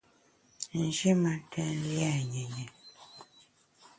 Nji mentèn lia nyinyi.